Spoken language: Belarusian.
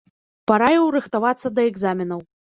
Параіў рыхтавацца да экзаменаў.